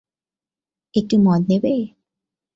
একটু মদ নেবে?